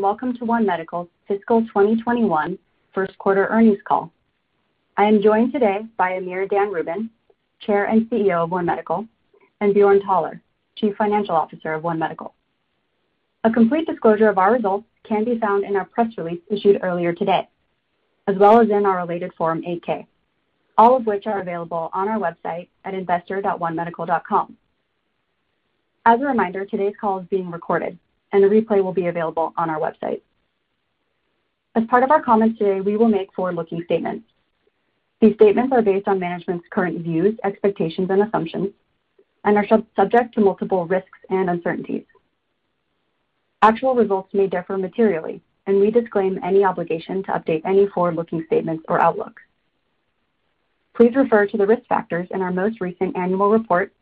Welcome to One Medical's fiscal 2021 first quarter earnings call. I am joined today by Amir Dan Rubin, Chair and CEO of One Medical, and Björn Thaler, Chief Financial Officer of One Medical. A complete disclosure of our results can be found in our press release issued earlier today, as well as in our related Form 8-K, all of which are available on our website at investor.onemedical.com. As a reminder, today's call is being recorded, and a replay will be available on our website. As part of our comments today, we will make forward-looking statements. These statements are based on management's current views, expectations, and assumptions and are subject to multiple risks and uncertainties. Actual results may differ materially, and we disclaim any obligation to update any forward-looking statements or outlooks. Please refer to the risk factors in our most recent annual report,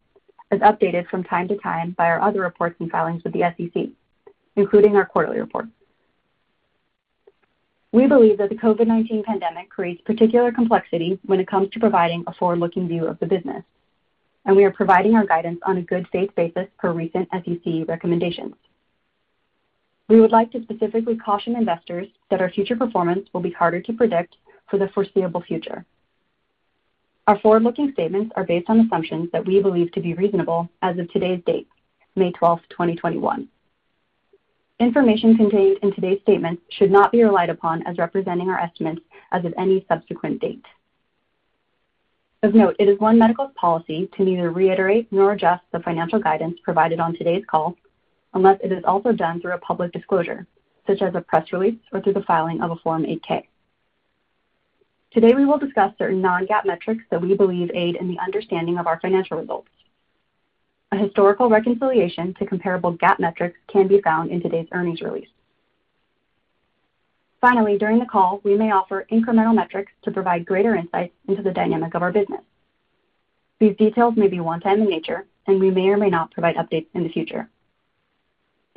as updated from time to time by our other reports and filings with the SEC, including our quarterly report. We believe that the COVID-19 pandemic creates particular complexity when it comes to providing a forward-looking view of the business, and we are providing our guidance on a good faith basis per recent SEC recommendations. We would like to specifically caution investors that our future performance will be harder to predict for the foreseeable future. Our forward-looking statements are based on assumptions that we believe to be reasonable as of today's date, May 12th, 2021. Information contained in today's statement should not be relied upon as representing our estimates as of any subsequent date. Of note, it is One Medical's policy to neither reiterate nor adjust the financial guidance provided on today's call unless it is also done through a public disclosure, such as a press release or through the filing of a Form 8-K. Today, we will discuss certain non-GAAP metrics that we believe aid in the understanding of our financial results. A historical reconciliation to comparable GAAP metrics can be found in today's earnings release. Finally, during the call, we may offer incremental metrics to provide greater insight into the dynamic of our business. These details may be one-time in nature, and we may or may not provide updates in the future.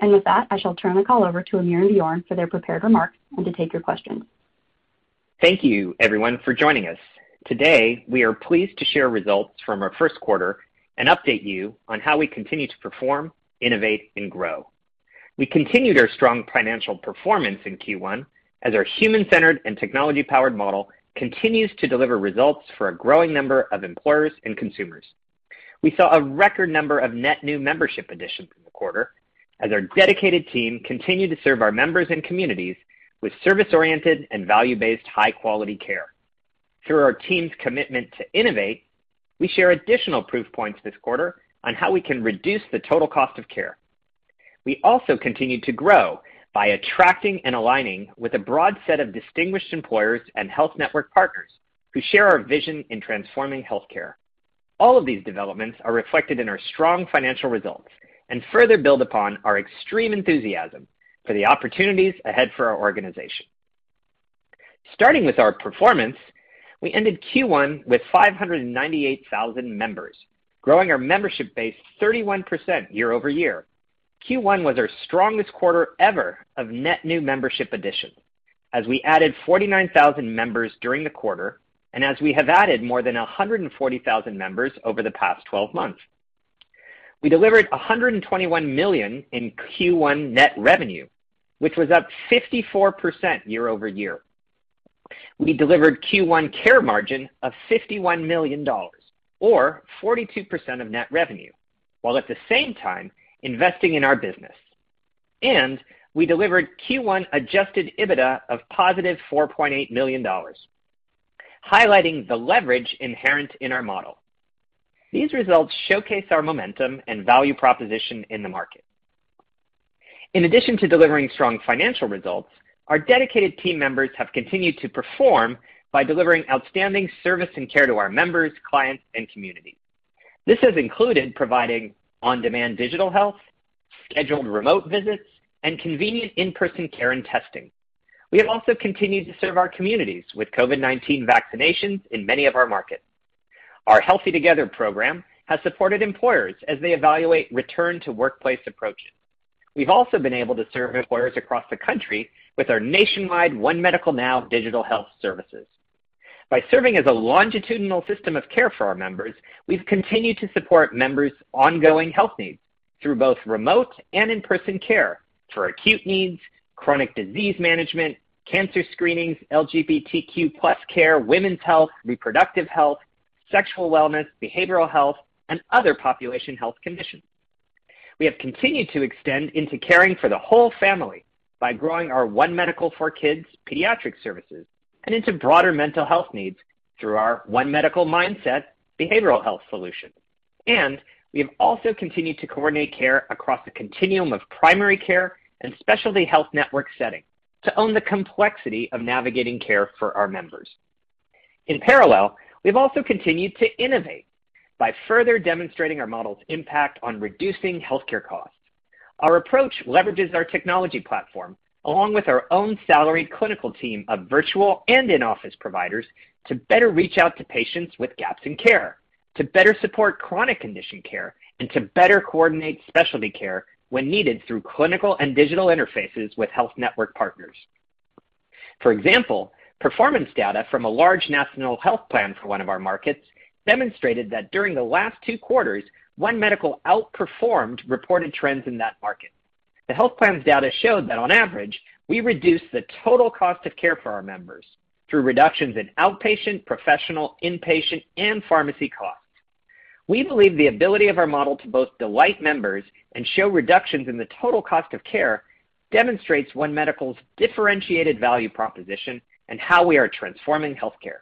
With that, I shall turn the call over to Amir and Björn for their prepared remarks and to take your questions. Thank you everyone for joining us. Today, we are pleased to share results from our first quarter and update you on how we continue to perform, innovate, and grow. We continued our strong financial performance in Q1 as our human-centered and technology-powered model continues to deliver results for a growing number of employers and consumers. We saw a record number of net new membership additions in the quarter as our dedicated team continued to serve our members and communities with service-oriented and value-based high-quality care. Through our team's commitment to innovate, we share additional proof points this quarter on how we can reduce the total cost of care. We also continued to grow by attracting and aligning with a broad set of distinguished employers and health network partners who share our vision in transforming healthcare. All of these developments are reflected in our strong financial results and further build upon our extreme enthusiasm for the opportunities ahead for our organization. Starting with our performance, we ended Q1 with 598,000 members, growing our membership base 31% year-over-year. Q1 was our strongest quarter ever of net new membership additions, as we added 49,000 members during the quarter and as we have added more than 140,000 members over the past 12 months. We delivered $121 million in Q1 net revenue, which was up 54% year-over-year. We delivered Q1 Care Margin of $51 million, or 42% of net revenue, while at the same time investing in our business. We delivered Q1 adjusted EBITDA of positive $4.8 million, highlighting the leverage inherent in our model. These results showcase our momentum and value proposition in the market. In addition to delivering strong financial results, our dedicated team members have continued to perform by delivering outstanding service and care to our members, clients, and community. This has included providing on-demand digital health, scheduled remote visits, and convenient in-person care and testing. We have also continued to serve our communities with COVID-19 vaccinations in many of our markets. Our Healthy Together program has supported employers as they evaluate return to workplace approaches. We've also been able to serve employers across the country with our nationwide One Medical Now digital health services. By serving as a longitudinal system of care for our members, we've continued to support members' ongoing health needs through both remote and in-person care for acute needs, chronic disease management, cancer screenings, LGBTQ+ care, women's health, reproductive health, sexual wellness, behavioral health, and other population health conditions. We have continued to extend into caring for the whole family by growing our One Medical for Kids pediatric services and into broader mental health needs through our One Medical Mindset behavioral health solution. We have also continued to coordinate care across the continuum of primary care and specialty health network settings to own the complexity of navigating care for our members. In parallel, we've also continued to innovate by further demonstrating our model's impact on reducing healthcare costs. Our approach leverages our technology platform, along with our own salaried clinical team of virtual and in-office providers, to better reach out to patients with gaps in care, to better support chronic condition care, and to better coordinate specialty care when needed through clinical and digital interfaces with health network partners. For example, performance data from a large national health plan for one of our markets demonstrated that during the last two quarters, One Medical outperformed reported trends in that market. The health plan's data showed that on average, we reduced the total cost of care for our members through reductions in outpatient, professional, inpatient, and pharmacy costs. We believe the ability of our model to both delight members and show reductions in the total cost of care demonstrates One Medical's differentiated value proposition and how we are transforming healthcare.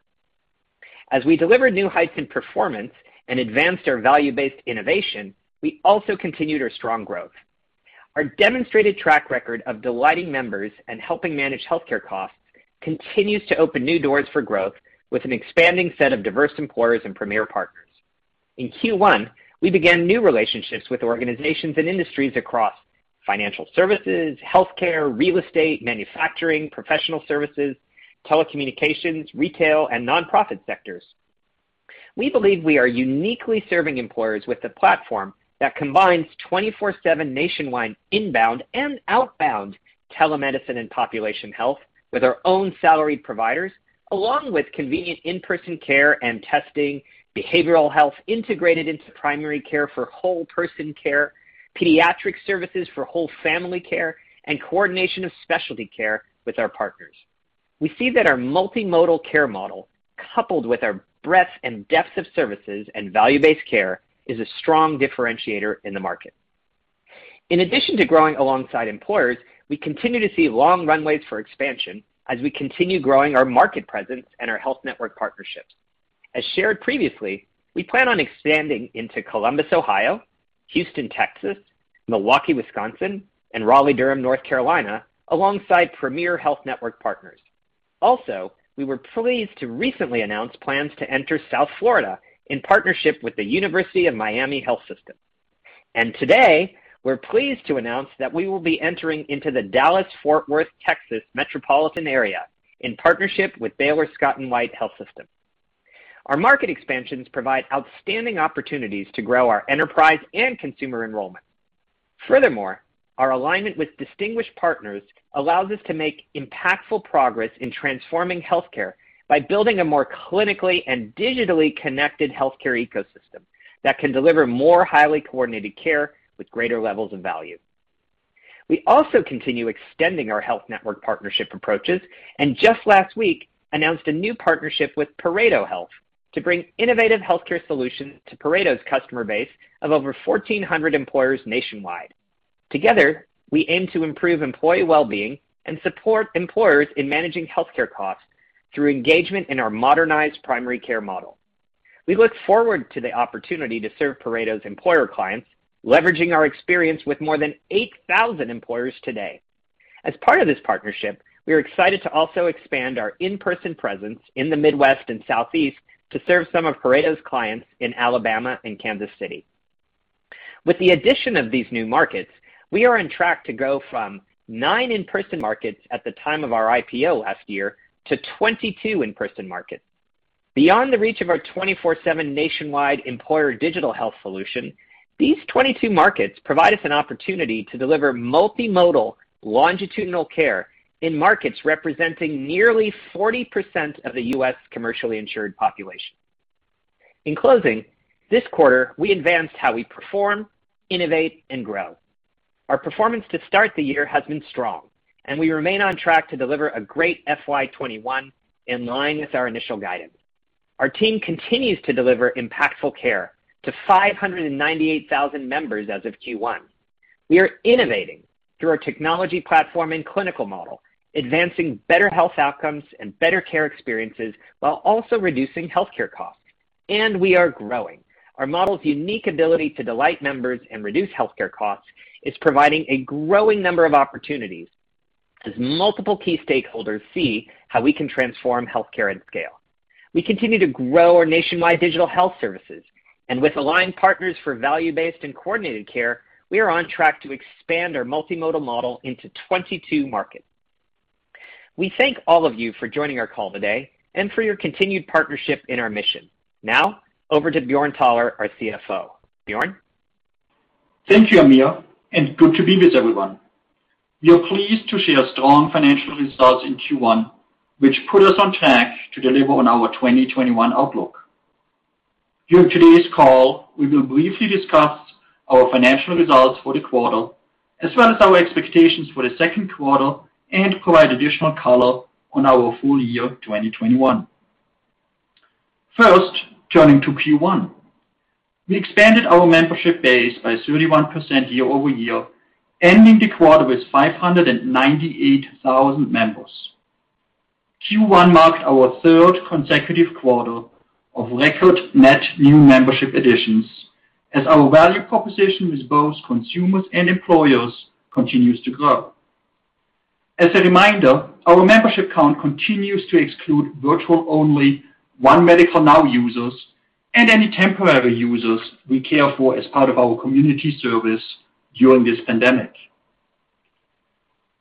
As we deliver new heights in performance and advanced our value-based innovation, we also continued our strong growth. Our demonstrated track record of delighting members and helping manage healthcare costs continues to open new doors for growth with an expanding set of diverse employers and premier partners. In Q1, we began new relationships with organizations and industries across financial services, healthcare, real estate, manufacturing, professional services, telecommunications, retail, and non-profit sectors. We believe we are uniquely serving employers with a platform that combines 24/7 nationwide inbound and outbound telemedicine and population health with our own salaried providers, along with convenient in-person care and testing, behavioral health integrated into primary care for whole person care, pediatric services for whole family care, and coordination of specialty care with our partners. We see that our multimodal care model, coupled with our breadth and depth of services and value-based care, is a strong differentiator in the market. In addition to growing alongside employers, we continue to see long runways for expansion as we continue growing our market presence and our health network partnerships. As shared previously, we plan on expanding into Columbus, Ohio, Houston, Texas, Milwaukee, Wisconsin, and Raleigh-Durham, North Carolina, alongside premier health network partners. We were pleased to recently announce plans to enter South Florida in partnership with the University of Miami Health System. Today, we're pleased to announce that we will be entering into the Dallas-Fort Worth, Texas, metropolitan area in partnership with Baylor Scott & White Health. Our market expansions provide outstanding opportunities to grow our enterprise and consumer enrollment. Furthermore, our alignment with distinguished partners allows us to make impactful progress in transforming healthcare by building a more clinically and digitally connected healthcare ecosystem that can deliver more highly coordinated care with greater levels of value. We also continue extending our health network partnership approaches, and just last week announced a new partnership with ParetoHealth to bring innovative healthcare solutions to Pareto's customer base of over 1,400 employers nationwide. Together, we aim to improve employee wellbeing and support employers in managing healthcare costs through engagement in our modernized primary care model. We look forward to the opportunity to serve Pareto's employer clients, leveraging our experience with more than 8,000 employers today. As part of this partnership, we are excited to also expand our in-person presence in the Midwest and Southeast to serve some of Pareto's clients in Alabama and Kansas City. With the addition of these new markets, we are on track to go from nine in-person markets at the time of our IPO last year to 22 in-person markets. Beyond the reach of our 24/7 nationwide employer digital health solution, these 22 markets provide us an opportunity to deliver multimodal, longitudinal care in markets representing nearly 40% of the U.S. commercially insured population. In closing, this quarter, we advanced how we perform, innovate, and grow. Our performance to start the year has been strong, and we remain on track to deliver a great FY 2021 in line with our initial guidance. Our team continues to deliver impactful care to 598,000 members as of Q1. We are innovating through our technology platform and clinical model, advancing better health outcomes and better care experiences while also reducing healthcare costs. We are growing. Our model's unique ability to delight members and reduce healthcare costs is providing a growing number of opportunities as multiple key stakeholders see how we can transform healthcare at scale. We continue to grow our nationwide digital health services, and with aligned partners for value-based and coordinated care, we are on track to expand our multimodal model into 22 markets. We thank all of you for joining our call today and for your continued partnership in our mission. Now, over to Björn Thaler, our CFO. Björn? Thank you, Amir. Good to be with everyone. We are pleased to share strong financial results in Q1, which put us on track to deliver on our 2021 outlook. During today's call, we will briefly discuss our financial results for the quarter, as well as our expectations for the second quarter and provide additional color on our full year 2021. First, turning to Q1. We expanded our membership base by 31% year-over-year, ending the quarter with 598,000 members. Q1 marked our third consecutive quarter of record net new membership additions as our value proposition with both consumers and employers continues to grow. As a reminder, our membership count continues to exclude virtual-only One Medical Now users and any temporary users we care for as part of our community service during this pandemic.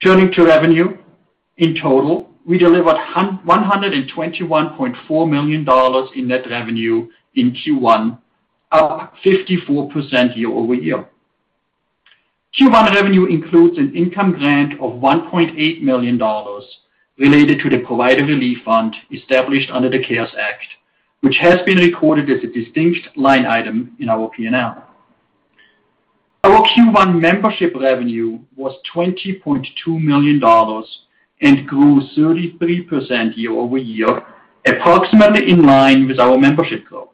Turning to revenue. In total, we delivered $121.4 million in net revenue in Q1, up 54% year-over-year. Q1 revenue includes an income grant of $1.8 million related to the Provider Relief Fund established under the CARES Act, which has been recorded as a distinct line item in our P&L. Our Q1 membership revenue was $20.2 million and grew 33% year-over-year, approximately in line with our membership growth.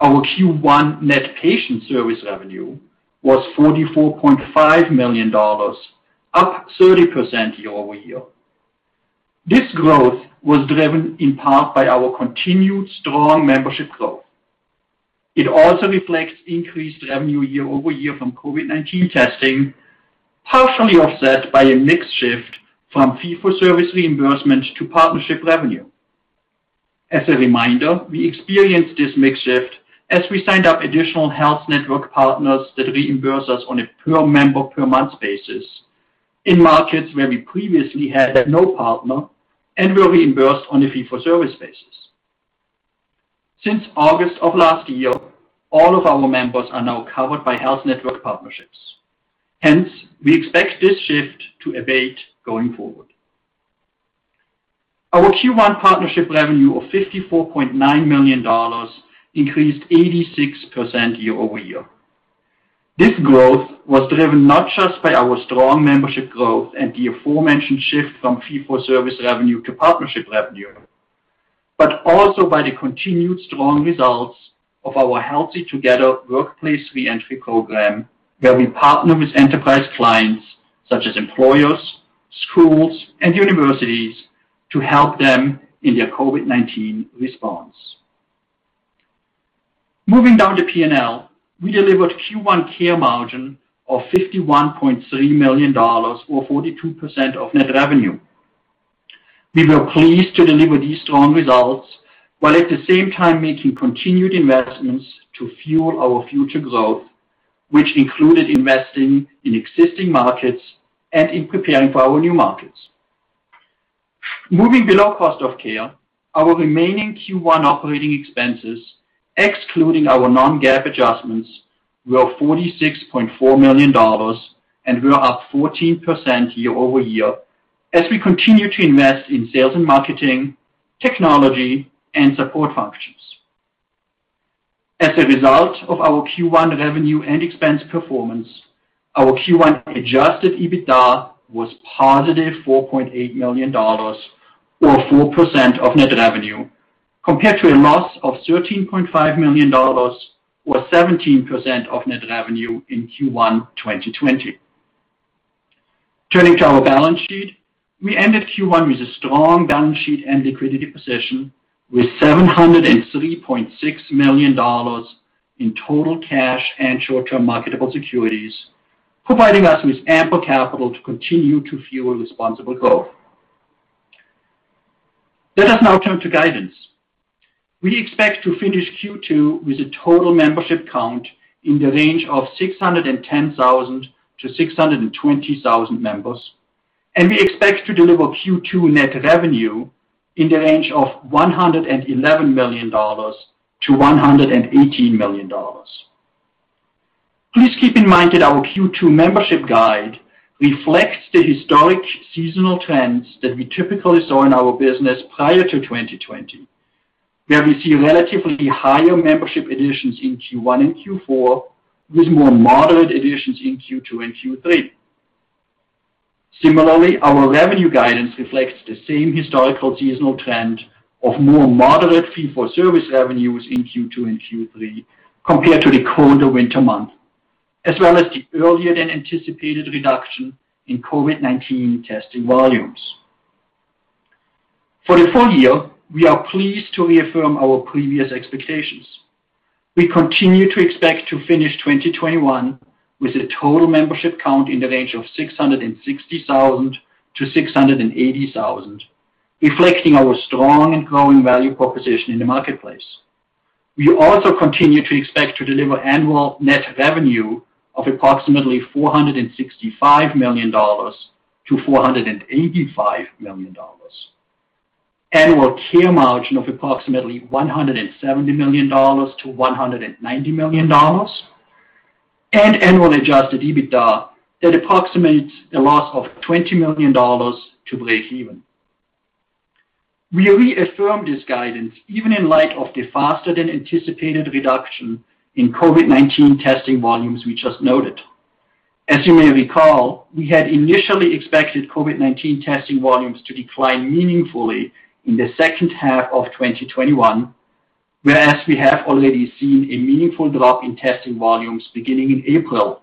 Our Q1 net patient service revenue was $44.5 million, up 30% year-over-year. This growth was driven in part by our continued strong membership growth. It also reflects increased revenue year-over-year from COVID-19 testing, partially offset by a mix shift from fee-for-service reimbursement to partnership revenue. As a reminder, we experienced this mix shift as we signed up additional health network partners that reimburse us on a per member per month basis in markets where we previously had no partner and were reimbursed on a fee-for-service basis. Since August of last year, all of our members are now covered by health network partnerships. Hence, we expect this shift to abate going forward. Our Q1 partnership revenue of $54.9 million increased 86% year-over-year. This growth was driven not just by our strong membership growth and the aforementioned shift from fee-for-service revenue to partnership revenue, but also by the continued strong results of our Healthy Together workplace reentry program, where we partner with enterprise clients such as employers, schools, and universities to help them in their COVID-19 response. Moving down to P&L, we delivered Q1 Care Margin of $51.3 million, or 42% of net revenue. We were pleased to deliver these strong results while at the same time making continued investments to fuel our future growth, which included investing in existing markets and in preparing for our new markets. Moving below cost of care, our remaining Q1 operating expenses, excluding our non-GAAP adjustments, were $46.4 million and were up 14% year-over-year as we continue to invest in sales and marketing, technology, and support functions. As a result of our Q1 revenue and expense performance, our Q1 adjusted EBITDA was positive $4.8 million, or 4% of net revenue, compared to a loss of $13.5 million, or 17% of net revenue in Q1 2020. Turning to our balance sheet, we ended Q1 with a strong balance sheet and liquidity position with $703.6 million in total cash and short-term marketable securities, providing us with ample capital to continue to fuel responsible growth. Let us now turn to guidance. We expect to finish Q2 with a total membership count in the range of 610,000 members-620,000 members, and we expect to deliver Q2 net revenue in the range of $111 million-$118 million. Please keep in mind that our Q2 membership guide reflects the historic seasonal trends that we typically saw in our business prior to 2020, where we see relatively higher membership additions in Q1 and Q4, with more moderate additions in Q2 and Q3. Similarly, our revenue guidance reflects the same historical seasonal trend of more moderate fee-for-service revenues in Q2 and Q3 compared to the colder winter months, as well as the earlier than anticipated reduction in COVID-19 testing volumes. For the full year, we are pleased to reaffirm our previous expectations. We continue to expect to finish 2021 with a total membership count in the range of 660,000 members-680,000 members, reflecting our strong and growing value proposition in the marketplace. We also continue to expect to deliver annual net revenue of approximately $465 million-$485 million, annual Care Margin of approximately $170 million-$190 million, and annual adjusted EBITDA that approximates a loss of $20 million to break even. We reaffirm this guidance even in light of the faster than anticipated reduction in COVID-19 testing volumes we just noted. As you may recall, we had initially expected COVID-19 testing volumes to decline meaningfully in the second half of 2021, whereas we have already seen a meaningful drop in testing volumes beginning in April.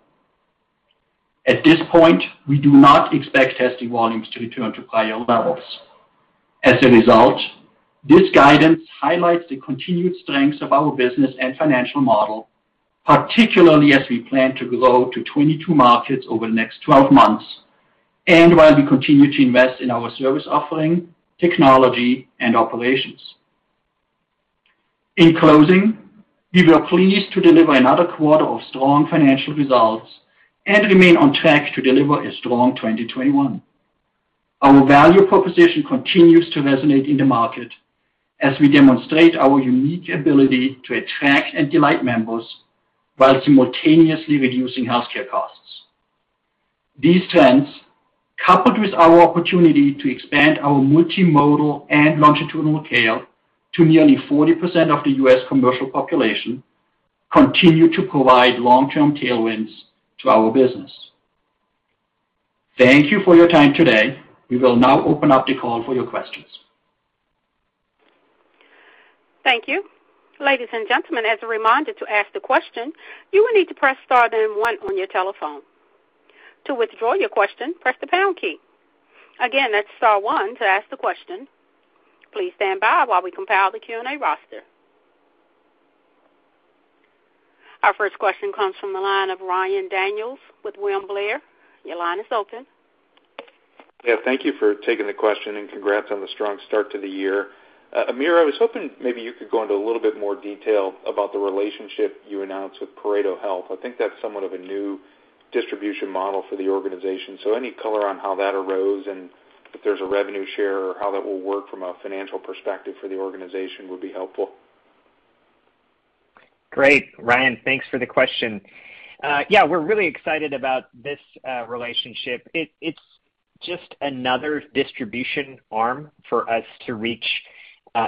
At this point, we do not expect testing volumes to return to prior levels. As a result, this guidance highlights the continued strengths of our business and financial model, particularly as we plan to grow to 22 markets over the next 12 months, and while we continue to invest in our service offering, technology, and operations. In closing, we were pleased to deliver another quarter of strong financial results and remain on track to deliver a strong 2021. Our value proposition continues to resonate in the market as we demonstrate our unique ability to attract and delight members while simultaneously reducing healthcare costs. These trends, coupled with our opportunity to expand our multimodal and longitudinal care to nearly 40% of the U.S. commercial population, continue to provide long-term tailwinds to our business. Thank you for your time today. We will now open up the call for your questions. Thank you. Ladies and gentlemen, as a reminder, to ask the question, you will need to press star then one on your telephone. To withdraw your question, press the pound key. Again, that's star one to ask the question. Please stand by while we compile the Q&A roster. Our first question comes from the line of Ryan Daniels with William Blair. Your line is open. Yeah. Thank you for taking the question, congrats on the strong start to the year. Amir, I was hoping maybe you could go into a little bit more detail about the relationship you announced with ParetoHealth. I think that's somewhat of a new distribution model for the organization. Any color on how that arose and if there's a revenue share or how that will work from a financial perspective for the organization would be helpful. Great, Ryan. Thanks for the question. We're really excited about this relationship. It's just another distribution arm for us to reach,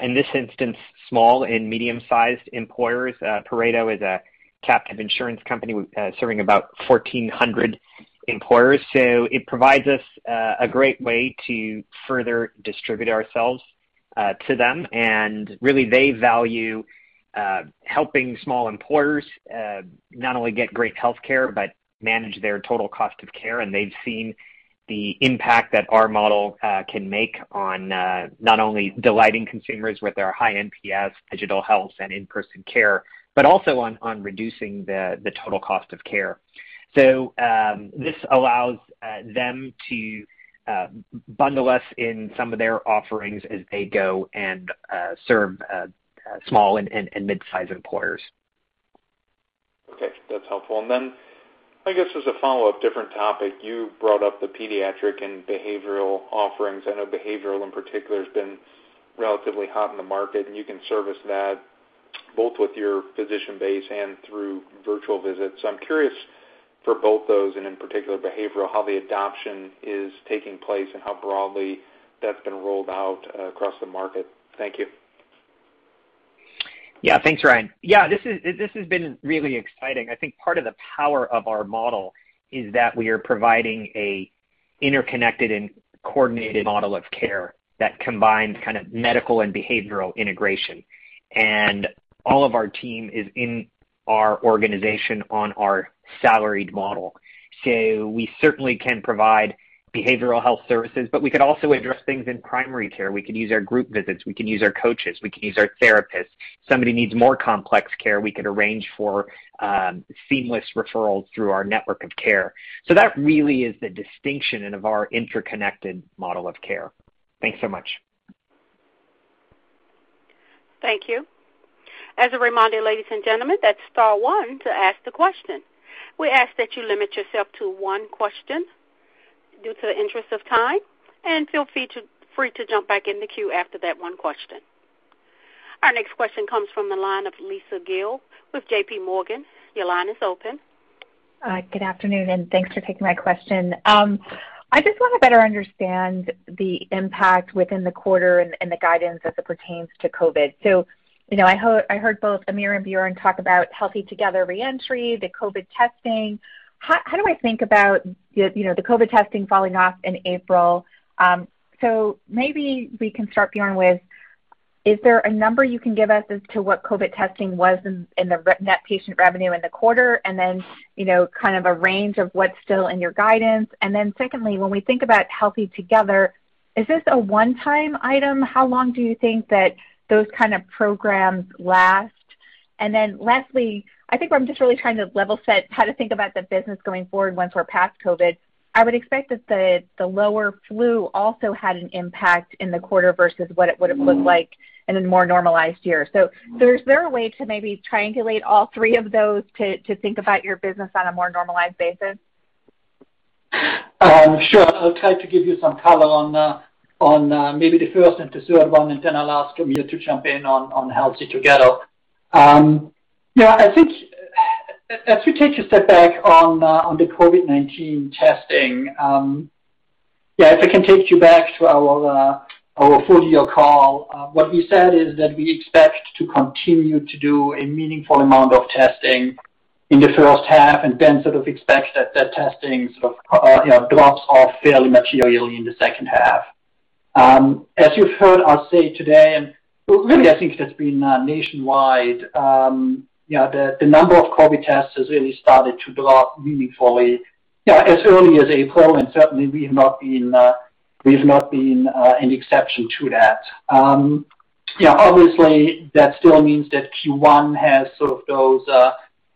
in this instance, small and medium-sized employers. Pareto is a captive insurance company serving about 1,400 employers. It provides us a great way to further distribute ourselves to them. Really, they value helping small employers, not only get great healthcare, but manage their total cost of care. They've seen the impact that our model can make on, not only delighting consumers with our high NPS digital health and in-person care, but also on reducing the total cost of care. This allows them to bundle us in some of their offerings as they go and serve small and mid-size employers. Okay. That's helpful. I guess as a follow-up, different topic, you brought up the pediatric and behavioral offerings. I know behavioral in particular has been relatively hot in the market, and you can service that both with your physician base and through virtual visits. I'm curious for both those, and in particular behavioral, how the adoption is taking place and how broadly that's been rolled out across the market. Thank you. Yeah. Thanks, Ryan. Yeah, this has been really exciting. I think part of the power of our model is that we are providing an interconnected and coordinated model of care that combines kind of medical and behavioral integration. All of our team is in our organization on our salaried model. We certainly can provide behavioral health services, but we could also address things in primary care. We could use our group visits. We can use our coaches. We can use our therapists. Somebody needs more complex care, we could arrange for seamless referrals through our network of care. That really is the distinction of our interconnected model of care. Thanks so much. Thank you. As a reminder, ladies and gentlemen, that's star one to ask the question. We ask that you limit yourself to one question due to the interest of time, and feel free to jump back in the queue after that one question. Our next question comes from the line of Lisa Gill with JPMorgan. Your line is open. Good afternoon. Thanks for taking my question. I just want to better understand the impact within the quarter and the guidance as it pertains to COVID. I heard both Amir and Björn talk about Healthy Together Reentry, the COVID testing. How do I think about the COVID testing falling off in April? Maybe we can start, Björn, with, is there a number you can give us as to what COVID testing was in the net patient revenue in the quarter, and then kind of a range of what's still in your guidance? Secondly, when we think about Healthy Together, is this a one-time item? How long do you think that those kind of programs last? Lastly, I think where I'm just really trying to level set how to think about the business going forward once we're past COVID. I would expect that the lower flu also had an impact in the quarter versus what it would have looked like in a more normalized year. Is there a way to maybe triangulate all three of those to think about your business on a more normalized basis? Sure. I'll try to give you some color on maybe the first and the third one, and then I'll ask Amir to jump in on Healthy Together. Yeah, I think as we take a step back on the COVID-19 testing, if I can take you back to our full-year call, what we said is that we expect to continue to do a meaningful amount of testing in the first half and then sort of expect that that testing sort of drops off fairly materially in the second half. As you've heard us say today, and really, I think that's been nationwide, the number of COVID tests has really started to drop meaningfully as early as April, and certainly we have not been an exception to that. Obviously, that still means that Q1 has sort of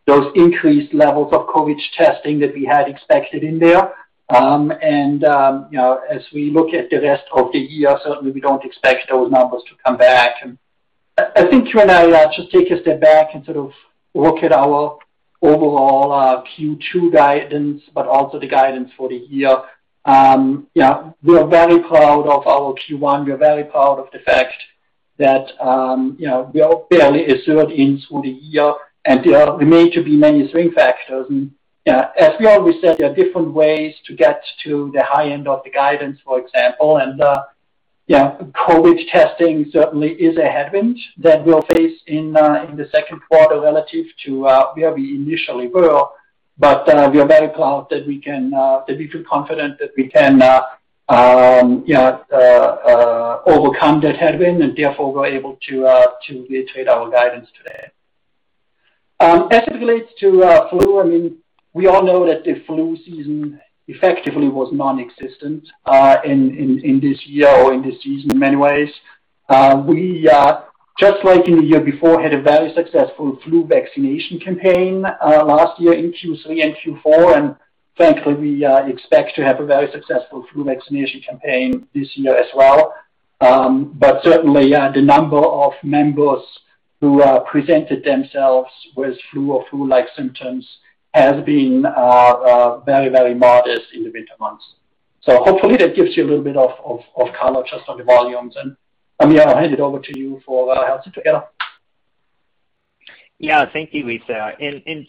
those increased levels of COVID testing that we had expected in there. As we look at the rest of the year, certainly we don't expect those numbers to come back. I think to actually take a step back and sort of look at our overall Q2 guidance, but also the guidance for the year. We're very proud of our Q1. We're very proud of the fact that we're fairly assured in for the year, and there remain to be many swing factors. As we always said, there are different ways to get to the high end of the guidance, for example. COVID testing certainly is a headwind that we'll face in the second quarter relative to where we initially were. We are very proud that we feel confident that we can overcome this headwind, and therefore, we're able to reiterate our guidance today. As it relates to flu, we all know that the flu season effectively was non-existent in this year or in this season in many ways. We just like in the year before, had a very successful flu vaccination campaign last year in Q3 and Q4. Thankfully, we expect to have a very successful flu vaccination campaign this year as well. Certainly, the number of members who presented themselves with flu or flu-like symptoms has been very modest in the winter months. Hopefully that gives you a little bit of color just on the volumes. Amir, I'll hand it over to you for Healthy Together. Yeah. Thank you, Lisa.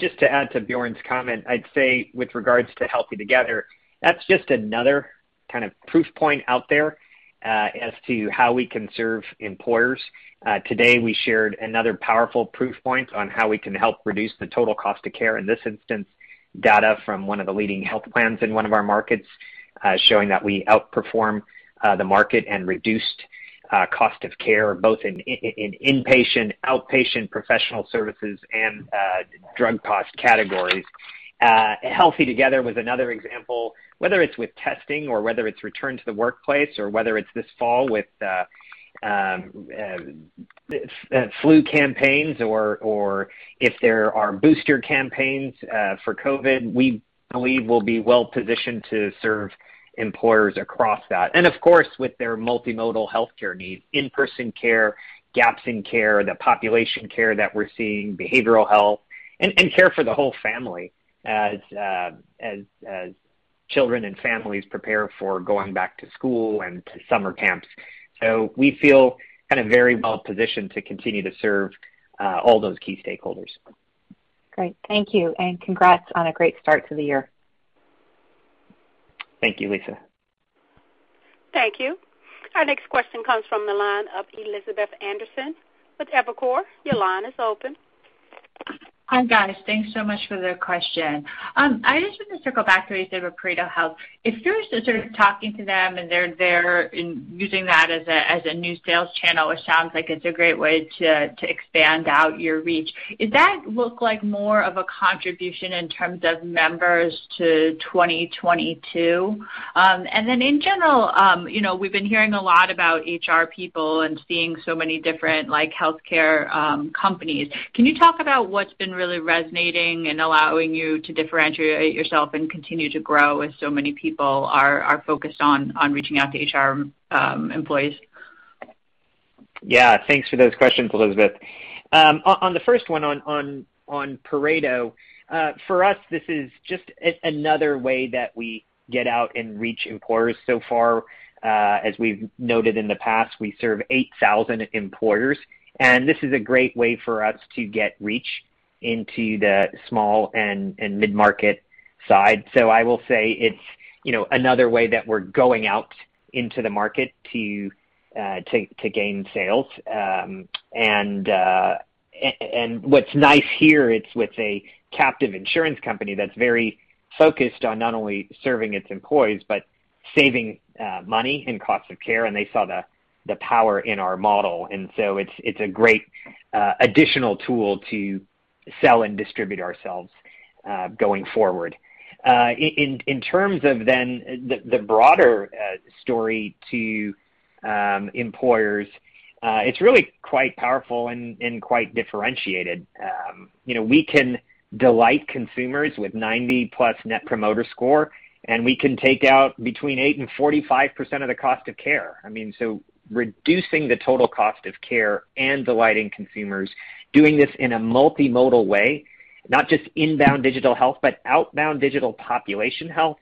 Just to add to Björn's comment, I'd say with regards to Healthy Together, that's just another kind of proof point out there as to how we can serve employers. Today, we shared another powerful proof point on how we can help reduce the total cost of care. In this instance, data from one of the leading health plans in one of our markets, showing that we outperformed the market and reduced cost of care, both in inpatient, outpatient professional services, and drug cost categories. Healthy Together was another example. Whether it's with testing or whether it's return to the workplace or whether it's this fall with flu campaigns or if there are booster campaigns for COVID, we believe we'll be well-positioned to serve employers across that. Of course, with their multimodal healthcare needs, in-person care, gaps in care, the population care that we're seeing, behavioral health, and care for the whole family as children and families prepare for going back to school and to summer camps. We feel very well positioned to continue to serve all those key stakeholders. Great. Thank you, and congrats on a great start to the year. Thank you, Lisa. Thank you. Our next question comes from the line of Elizabeth Anderson with Evercore. Your line is open. Hi, guys. Thanks so much for the question. I just want to circle back to, Lisa, with ParetoHealth. If you're sort of talking to them and they're using that as a new sales channel, it sounds like it's a great way to expand out your reach. Is that look like more of a contribution in terms of members to 2022? In general, we've been hearing a lot about HR people and seeing so many different healthcare companies. Can you talk about what's been really resonating and allowing you to differentiate yourself and continue to grow as so many people are focused on reaching out to HR employees? Thanks for those questions, Elizabeth. On the first one on Pareto. As we've noted in the past, we serve 8,000 employers, and this is a great way for us to get reach into the small and mid-market side. I will say it's another way that we're going out into the market to gain sales. What's nice here, it's with a captive insurance company that's very focused on not only serving its employees but saving money and cost of care, and they saw the power in our model. It's a great additional tool to sell and distribute ourselves going forward. In terms of then the broader story to employers, it's really quite powerful and quite differentiated. We can delight consumers with 90+ Net Promoter Score, and we can take out between 8% and 45% of the cost of care. Reducing the total cost of care and delighting consumers, doing this in a multimodal way, not just inbound digital health, but outbound digital population health,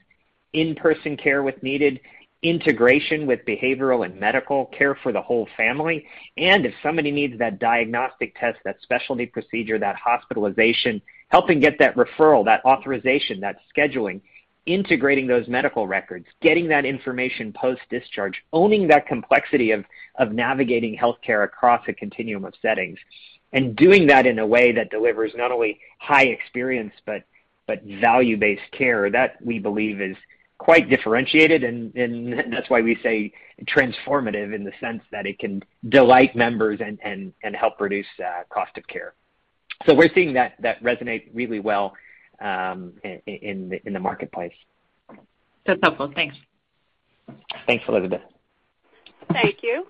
in-person care with needed integration with behavioral and medical care for the whole family. If somebody needs that diagnostic test, that specialty procedure, that hospitalization, helping get that referral, that authorization, that scheduling, integrating those medical records, getting that information post-discharge, owning that complexity of navigating healthcare across a continuum of settings, and doing that in a way that delivers not only high experience but value-based care. That, we believe, is quite differentiated, and that's why we say transformative in the sense that it can delight members and help reduce cost of care. We're seeing that resonate really well in the marketplace. That's helpful. Thanks. Thanks, Elizabeth. Thank you.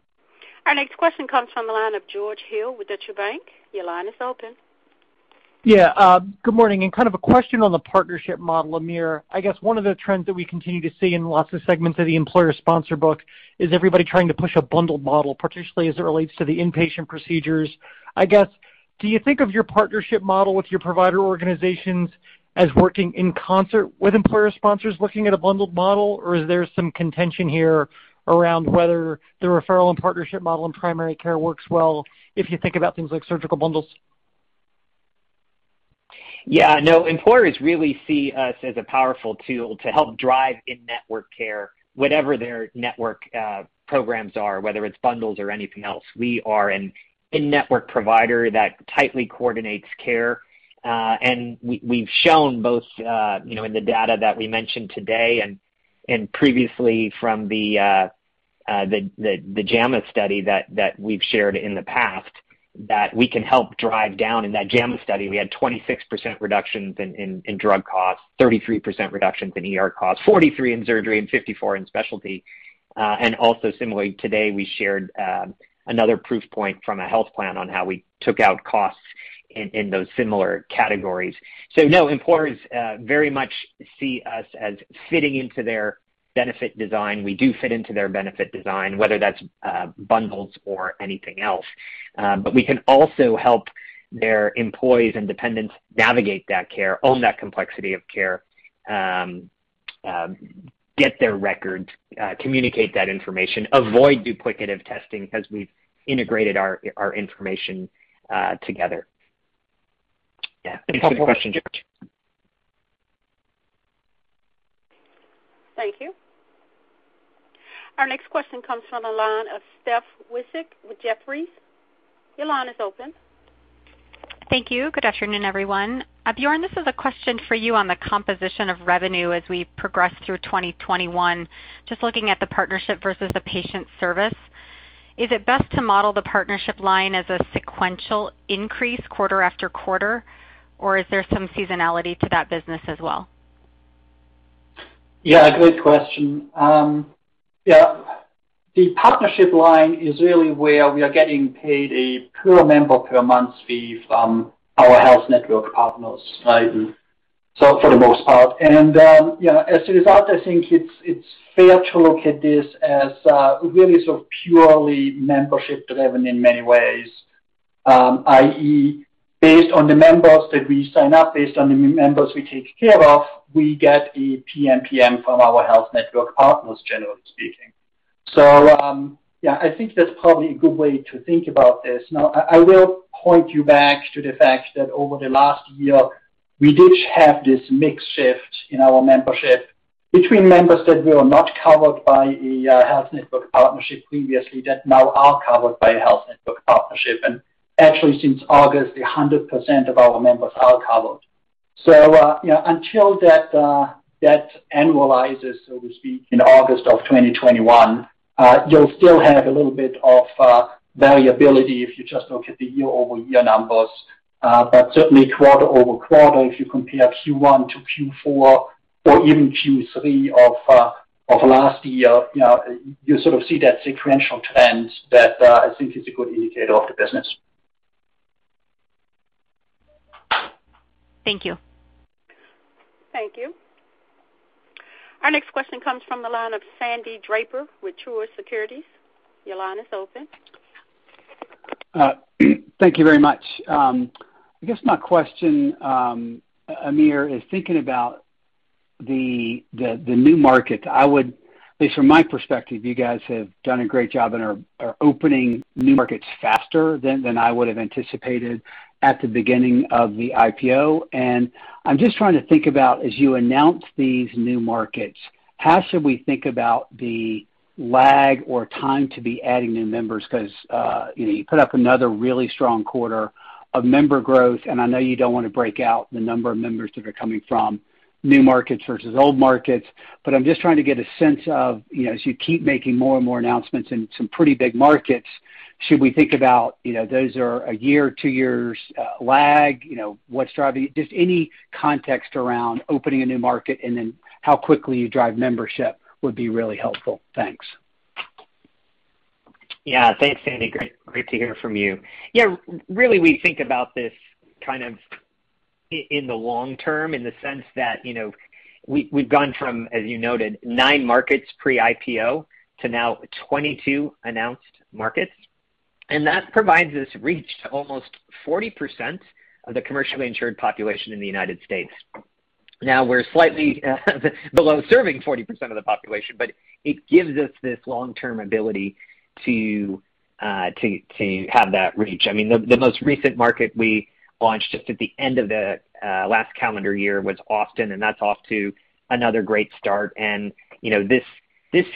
Our next question comes from the line of George Hill with Deutsche Bank. Your line is open Good morning. A question on the partnership model, Amir. One of the trends that we continue to see in lots of segments of the employer sponsor book is everybody trying to push a bundled model, particularly as it relates to the inpatient procedures. Do you think of your partnership model with your provider organizations as working in concert with employer sponsors looking at a bundled model, or is there some contention here around whether the referral and partnership model in primary care works well if you think about things like surgical bundles? No. Employers really see us as a powerful tool to help drive in-network care, whatever their network programs are, whether it's bundles or anything else. We are an in-network provider that tightly coordinates care. We've shown both in the data that we mentioned today and previously from the JAMA study that we've shared in the past, that we can help drive down. In that JAMA study, we had 26% reductions in drug costs, 33% reductions in ER costs, 43% in surgery, and 54% in specialty. Also similarly today, we shared another proof point from a health plan on how we took out costs in those similar categories. No, employers very much see us as fitting into their benefit design. We do fit into their benefit design, whether that's bundles or anything else. We can also help their employees and dependents navigate that care, own that complexity of care, get their records, communicate that information, avoid duplicative testing as we've integrated our information together. Yeah. Thanks for the question, George. Thank you. Our next question comes from the line of Steph Wissink with Jefferies. Your line is open. Thank you. Good afternoon, everyone. Björn, this is a question for you on the composition of revenue as we progress through 2021. Just looking at the partnership versus the patient service, is it best to model the partnership line as a sequential increase quarter after quarter, or is there some seasonality to that business as well? Yeah, great question. Yeah, the partnership line is really where we are getting paid a per member per month fee from our health network partners, right? For the most part. As a result, I think it's fair to look at this as really sort of purely membership driven in many ways. I.e., based on the members that we sign up, based on the members we take care of, we get a PMPM from our health network partners, generally speaking. Yeah, I think that's probably a good way to think about this. Now, I will point you back to the fact that over the last year, we did have this mix shift in our membership between members that were not covered by a health network partnership previously that now are covered by a health network partnership. Actually, since August, 100% of our members are covered. Until that annualizes, so to speak, in August of 2021, you'll still have a little bit of variability if you just look at the year-over-year numbers. Certainly quarter-over-quarter, if you compare Q1 to Q4 or even Q3 of last year, you sort of see that sequential trend that I think is a good indicator of the business. Thank you. Thank you. Our next question comes from the line of Sandy Draper with Truist Securities. Your line is open. Thank you very much. I guess my question, Amir, is thinking about the new market. At least from my perspective, you guys have done a great job and are opening new markets faster than I would've anticipated at the beginning of the IPO. I'm just trying to think about, as you announce these new markets, how should we think about the lag or time to be adding new members? You put up another really strong quarter of member growth, and I know you don't want to break out the number of members that are coming from new markets versus old markets. I'm just trying to get a sense of, as you keep making more and more announcements in some pretty big markets, should we think about, those are a year or two years lag? What's driving? Just any context around opening a new market, and then how quickly you drive membership would be really helpful. Thanks. Yeah. Thanks, Sandy. Great to hear from you. Yeah, really, we think about this in the long term, in the sense that we've gone from, as you noted, nine markets pre-IPO to now 22 announced markets. That provides us reach to almost 40% of the commercially insured population in the U.S. Now, we're slightly below serving 40% of the population, but it gives us this long-term ability to have that reach. The most recent market we launched just at the end of the last calendar year was Austin, and that's off to another great start. This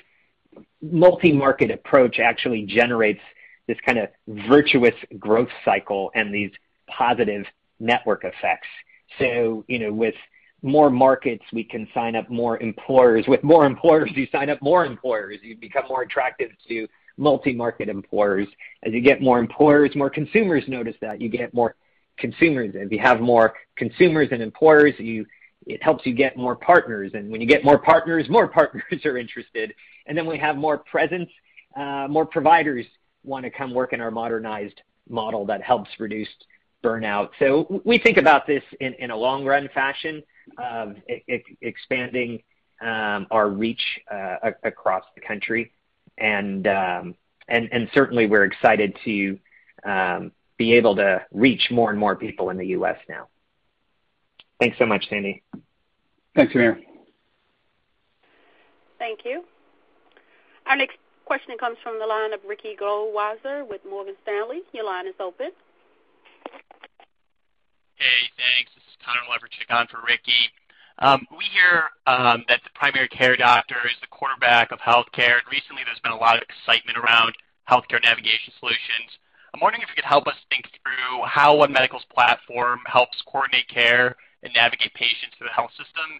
multi-market approach actually generates this kind of virtuous growth cycle and these positive network effects. With more markets, we can sign up more employers. With more employers, you sign up more employers. You become more attractive to multi-market employers. As you get more employers, more consumers notice that. You get more consumers in. We have more consumers and employers. It helps you get more partners, when you get more partners, more partners are interested. Then we have more presence. More providers want to come work in our modernized model that helps reduce burnout. We think about this in a long-run fashion, expanding our reach across the country. Certainly, we're excited to be able to reach more and more people in the U.S. now. Thanks so much, Sandy Draper. Thanks, Amir. Thank you. Our next question comes from the line of Ricky Goldwasser with Morgan Stanley. Your line is open. Hey, thanks. This is Connor Oleferchik for Ricky. We hear that the primary care doctor is the quarterback of healthcare, and recently there's been a lot of excitement around healthcare navigation solutions. I'm wondering if you could help us think through how One Medical's platform helps coordinate care and navigate patients through the health system.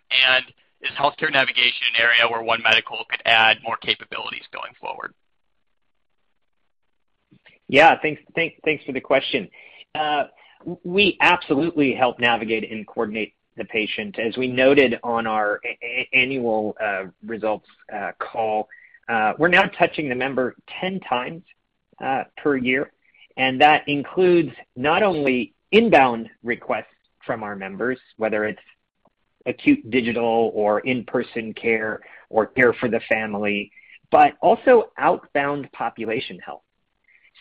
Is healthcare navigation an area where One Medical could add more capabilities going forward? Thanks for the question. We absolutely help navigate and coordinate the patient. As we noted on our annual results call, we're now touching a member 10x per year, and that includes not only inbound requests from our members, whether it's acute digital or in-person care or care for the family, but also outbound population health.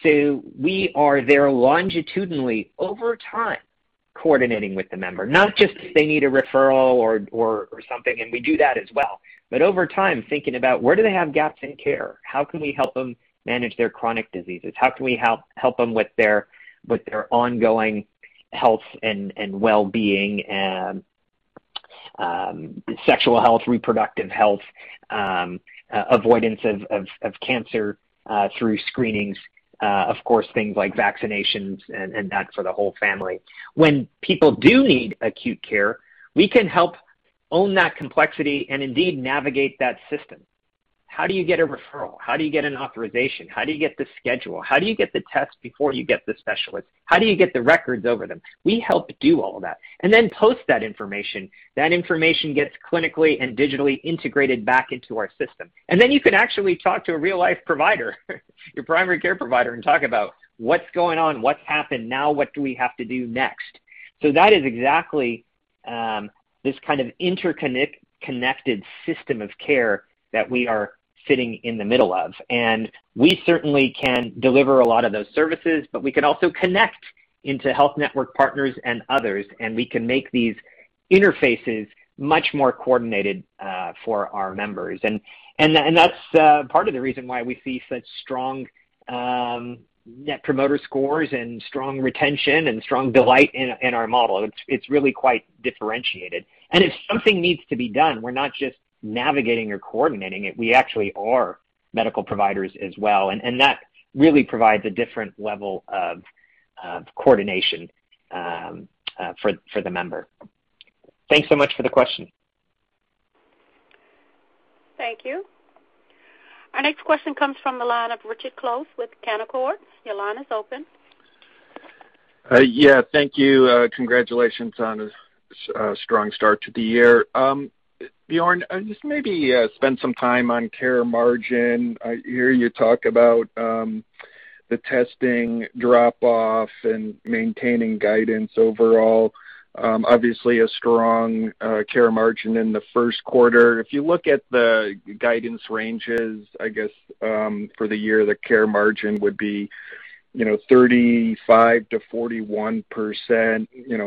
We are there longitudinally over time, coordinating with the member, not just if they need a referral or something, and we do that as well. Over time, thinking about where do they have gaps in care? How can we help them manage their chronic diseases? How can we help them with their ongoing health and wellbeing, and sexual health, reproductive health, avoidance of cancer through screenings, of course, things like vaccinations and that for the whole family. When people do need acute care, we can help own that complexity and indeed navigate that system. How do you get a referral? How do you get an authorization? How do you get the schedule? How do you get the test before you get the specialist? How do you get the records over to them? We help do all that. Then post that information. That information gets clinically and digitally integrated back into our system. Then you can actually talk to a real life provider, your primary care provider, and talk about what's going on, what's happened, now what do we have to do next. That is exactly this kind of interconnected system of care that we are sitting in the middle of, and we certainly can deliver a lot of those services, but we can also connect into health network partners and others, and we can make these interfaces much more coordinated for our members. That's part of the reason why we see such strong Net Promoter Scores and strong retention and strong delight in our model. It's really quite differentiated. If something needs to be done, we're not just navigating or coordinating it, we actually are medical providers as well, and that really provides a different level of coordination for the member. Thanks so much for the question. Thank you. Our next question comes from the line of Richard Close with Canaccord. Your line is open. Yeah. Thank you. Congratulations on a strong start to the year. Björn, just maybe spend some time on Care Margin. I hear you talk about the testing drop-off and maintaining guidance overall. Obviously, a strong Care Margin in the first quarter. If you look at the guidance ranges, I guess, for the year, the Care Margin would be 35% to 41%,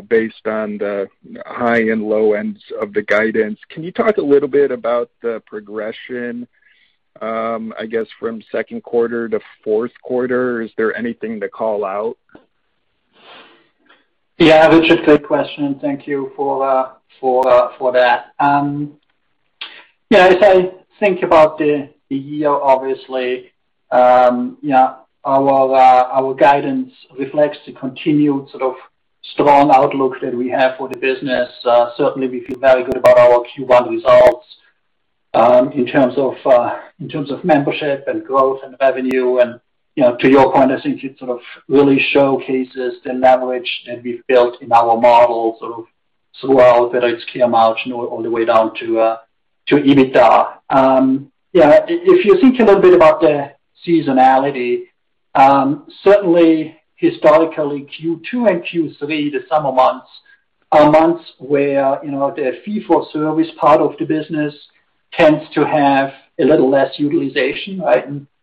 based on the high and low ends of the guidance. Can you talk a little bit about the progression, I guess, from second quarter to fourth quarter? Is there anything to call out? Yeah, Richard, good question. Thank you for that. As I think about the year, obviously, our guidance reflects the continued strong outlook that we have for the business. Certainly, we feel very good about our Q1 results in terms of membership and growth and revenue. To your point, I think it really showcases the leverage that we've built in our model throughout the next Care Margin, all the way down to EBITDA. If you think a little bit about the seasonality, certainly historically, Q2 and Q3, the summer months, are months where the fee-for-service part of the business tends to have a little less utilization.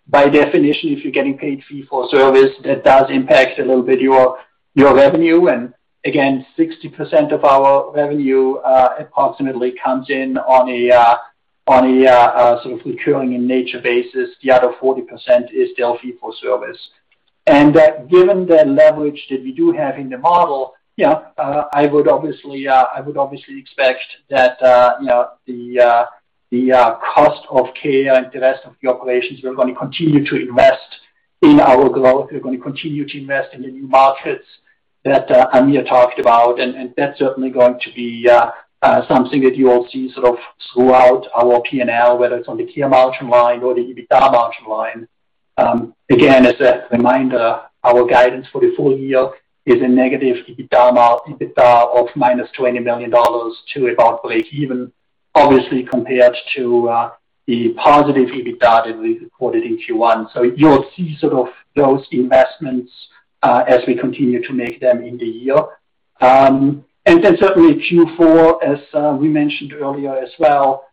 By definition, if you're getting paid fee-for-service, that does impact a little bit your revenue. Again, 60% of our revenue approximately comes in on a recurring in nature basis. The other 40% is still fee-for-service. Given the leverage that we do have in the model, I would obviously expect that the cost of care and the rest of the operations, we're going to continue to invest in our growth. We're going to continue to invest in the new markets that Amir talked about, and that's certainly going to be something that you'll see throughout our P&L, whether it's on the Care Margin line or the EBITDA margin line. As a reminder, our guidance for the full year is a negative EBITDA of -$20 million to about breakeven, obviously compared to the positive EBITDA that we reported in Q1. You'll see sort of those investments as we continue to make them in the year. Certainly Q4, as we mentioned earlier as well,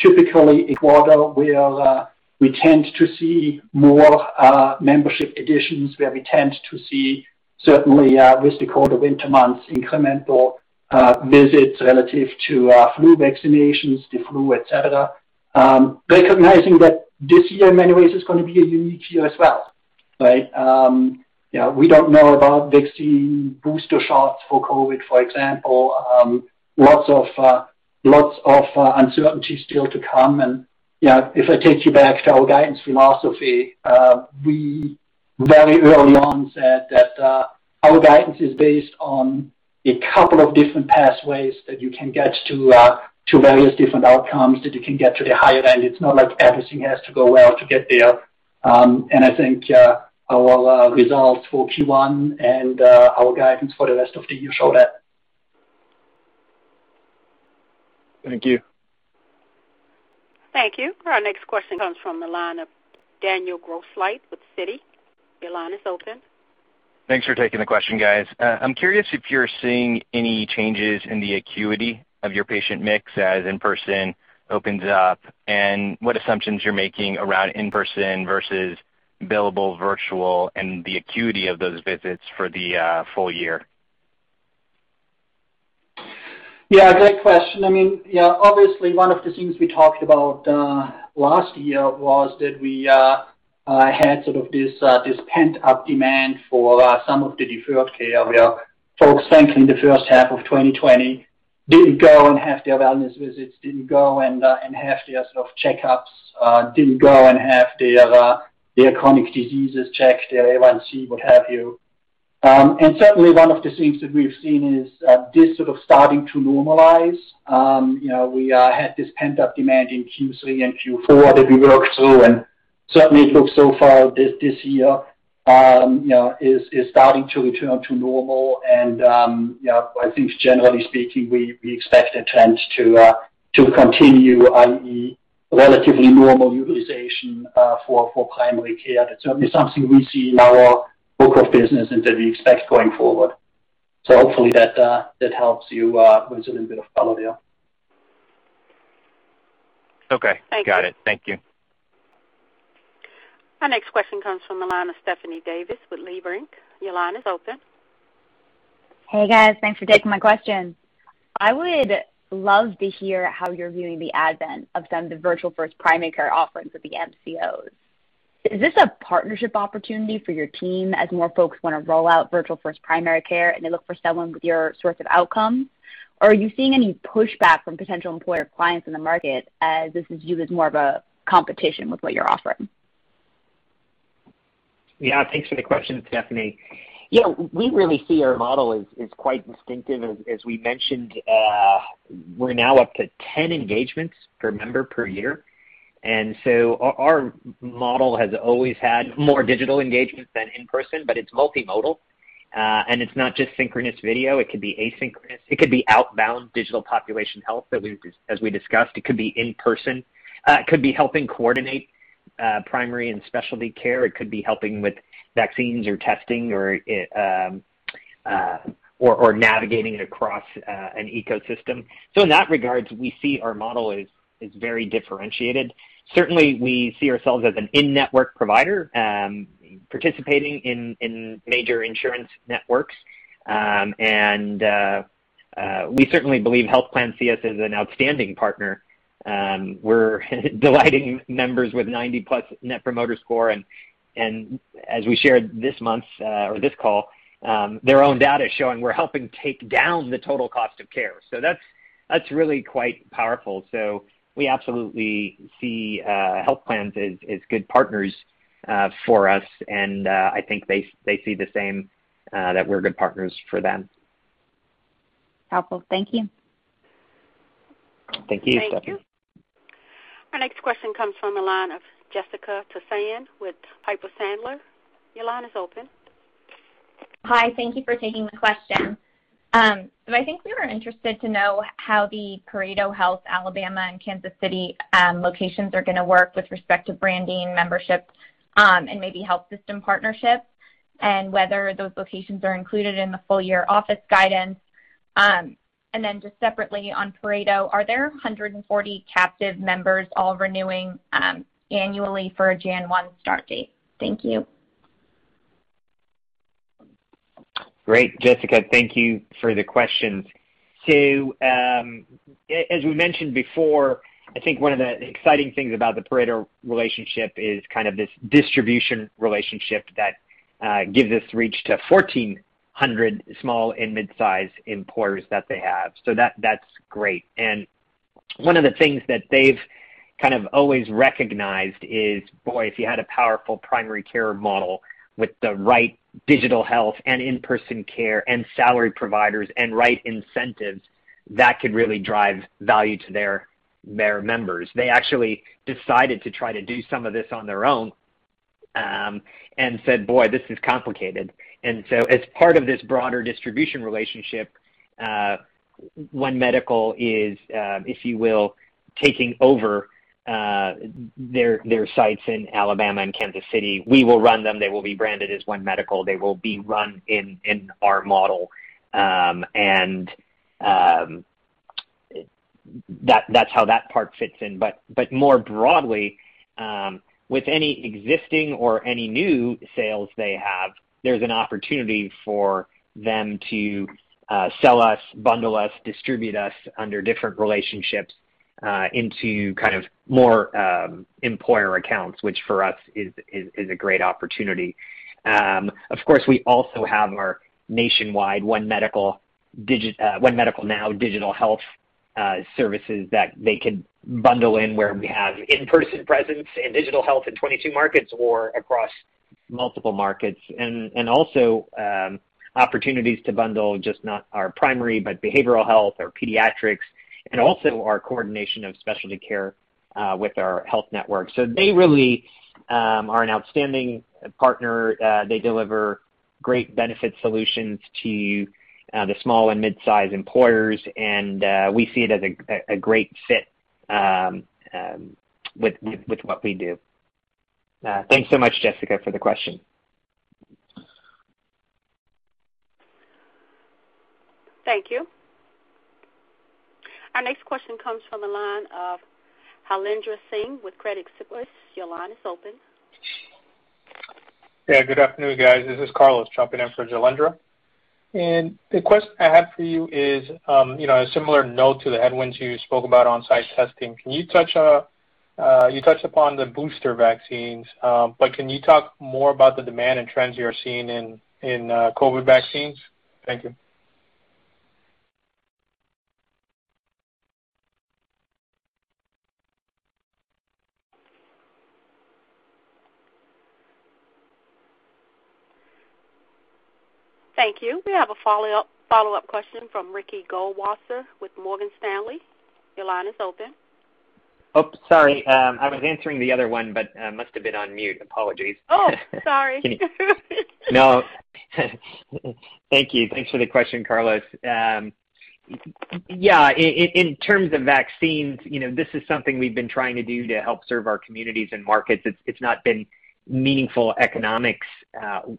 typically a quarter where we tend to see more membership additions, where we tend to see certainly with the colder winter months, incremental visits relative to flu vaccinations, the flu, et cetera. Recognizing that this year in many ways is going to be a unique year as well, right? We don't know about vaccine booster shots for COVID, for example. Lots of uncertainty still to come. If I take you back to our guidance philosophy, we very early on said that our guidance is based on a couple of different pathways that you can get to various different outcomes, that you can get to the higher end. It's not like everything has to go well to get there. I think our results for Q1 and our guidance for the rest of the year show that. Thank you. Thank you. Our next question comes from the line of Daniel Grosslight with Citi. Your line is open. Thanks for taking the question, guys. I'm curious if you're seeing any changes in the acuity of your patient mix as in-person opens up, and what assumptions you're making around in-person versus billable virtual and the acuity of those visits for the full year. Yeah, great question. Obviously, one of the things we talked about last year was that we had sort of this pent-up demand for some of the deferred care, where folks, frankly, in the first half of 2020, didn't go and have their wellness visits, didn't go and have their checkups, didn't go and have their chronic diseases checked, their A1C, what have you. Certainly, one of the things that we've seen is this sort of starting to normalize. We had this pent-up demand in Q3 and Q4 that we worked through, certainly it looks so far this year is starting to return to normal. I think generally speaking, we expect the trend to continue, i.e., relatively normal utilization for primary care. That's certainly something we see in our book of business and that we expect going forward. Hopefully that helps you with a little bit of color there. Okay. Thank you. Got it. Thank you. Our next question comes from the line of Stephanie Davis with Leerink. Your line is open. Hey, guys. Thanks for taking my question. I would love to hear how you're viewing the advent of some of the virtual first primary care offerings with the MCOs. Is this a partnership opportunity for your team as more folks want to roll out virtual first primary care, and they look for someone with your sorts of outcomes? Are you seeing any pushback from potential employer clients in the market as this is viewed as more of a competition with what you're offering? Yeah. Thanks for the question, Stephanie. We really see our model as quite distinctive. As we mentioned, we're now up to 10 engagements per one member per year, and so our model has always had more digital engagements than in-person, but it's multimodal. It's not just synchronous video. It could be asynchronous, it could be outbound digital population health, as we discussed. It could be in-person. It could be helping coordinate primary and specialty care. It could be helping with vaccines or testing or navigating it across an ecosystem. In that regard, we see our model as very differentiated. Certainly, we see ourselves as an in-network provider participating in major insurance networks. We certainly believe health plans see us as an outstanding partner. We're delighting members with 90+ Net Promoter Score. As we shared this month or this call, their own data is showing we're helping take down the total cost of care. That's really quite powerful. We absolutely see health plans as good partners for us, and I think they see the same, that we're good partners for them. Helpful. Thank you. Thank you, Stephanie. Thank you. Our next question comes from the line of Jessica Tassan with Piper Sandler. Your line is open. Hi. Thank you for taking the question. I think we were interested to know how the ParetoHealth Alabama and Kansas City locations are going to work with respect to branding, membership, and maybe health system partnerships, and whether those locations are included in the full year office guidance. Just separately on Pareto, are there 140 captive members all renewing annually for a January 1 start date? Thank you. Great, Jessica. Thank you for the questions. As we mentioned before, I think one of the exciting things about the Pareto relationship is kind of this distribution relationship that gives us reach to 1,400 small and mid-size employers that they have. That's great. One of the things that they've kind of always recognized is, boy, if you had a powerful primary care model with the right digital health and in-person care and salaried providers and right incentives, that could really drive value to their members. They actually decided to try to do some of this on their own, and said, "Boy, this is complicated." As part of this broader distribution relationship, One Medical is, if you will, taking over their sites in Alabama and Kansas City. We will run them, they will be branded as One Medical. They will be run in our model, that's how that part fits in. More broadly, with any existing or any new sales they have, there's an opportunity for them to sell us, bundle us, distribute us under different relationships into more employer accounts, which for us is a great opportunity. Of course, we also have our nationwide One Medical Now digital health services that they could bundle in where we have in-person presence in digital health in 22 markets or across multiple markets. Also, opportunities to bundle just not our primary, but behavioral health or pediatrics, and also our coordination of specialty care with our health network. They really are an outstanding partner. They deliver great benefit solutions to the small and mid-size employers, and we see it as a great fit with what we do. Thanks so much, Jessica, for the question. Thank you. Our next question comes from the line of Jailendra Singh with Credit Suisse. Your line is open. Yeah, good afternoon, guys. This is Carlos jumping in for Jailendra. The question I have for you is, a similar note to the headwinds you spoke about on-site testing. You touched upon the booster vaccines. Can you talk more about the demand and trends you are seeing in COVID vaccines? Thank you. Thank you. We have a follow-up question from Ricky Goldwasser with Morgan Stanley. Your line is open. Oh, sorry. I was answering the other one, but I must have been on mute. Apologies. Oh, sorry. No. Thank you. Thanks for the question, Carlos. In terms of vaccines, this is something we've been trying to do to help serve our communities and markets. It's not been meaningful economics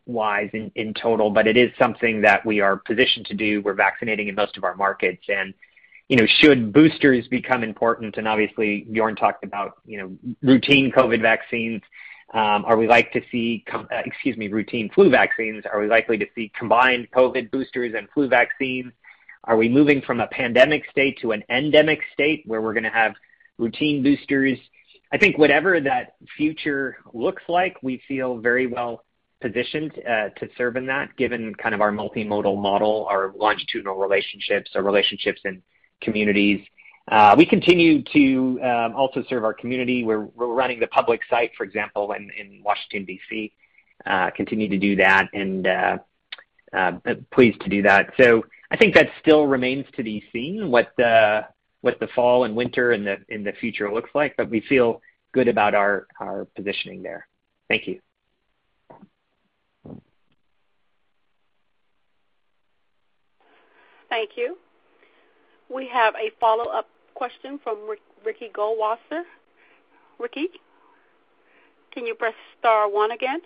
wise in total, but it is something that we are positioned to do. We're vaccinating in most of our markets and should boosters become important and obviously, Björn talked about routine COVID vaccines. Routine flu vaccines. Are we likely to see combined COVID boosters and flu vaccines? Are we moving from a pandemic state to an endemic state where we're going to have routine boosters? I think whatever that future looks like, we feel very well positioned to serve in that, given our multimodal model, our longitudinal relationships, our relationships in communities. We continue to also serve our community, we're running the public site, for example, in Washington, D.C. Continue to do that and pleased to do that. I think that still remains to be seen what the fall and winter in the future looks like. We feel good about our positioning there. Thank you. Thank you. We have a follow-up question from Ricky Goldwasser. Ricky, can you press star one again?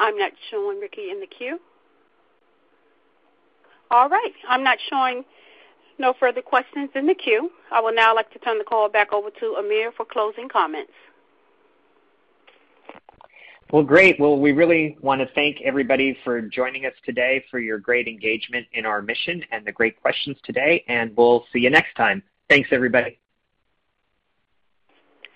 I'm not showing Ricky in the queue. All right. I'm not showing no further questions in the queue. I would now like to turn the call back over to Amir for closing comments. Well, great. Well, we really want to thank everybody for joining us today, for your great engagement in our mission, and the great questions today. We'll see you next time. Thanks, everybody.